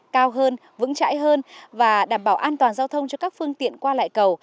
cao hơn vững chãi hơn và đảm bảo an toàn giao thông cho các phương tiện qua lại cầu